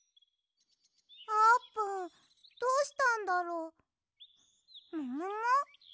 あーぷんどうしたんだろももも？